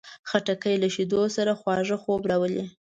خټکی له شیدو سره خواږه خوب راولي.